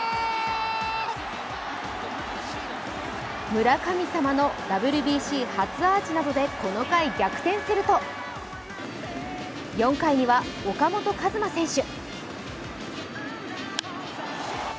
村神様のＷＢＣ初アーチなどでこの回逆転すると４回には岡本和真選手。